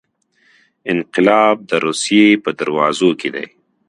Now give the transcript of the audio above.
انقلاب د روسیې په دروازو کې دی.